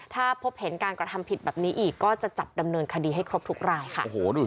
ถ้าพบเห็นการกระทำผิดแบบนี้อีกก็จะจับดำเนินคดีให้ครบทุกรายค่ะ